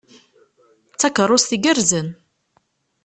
D takeṛṛust igerrzen!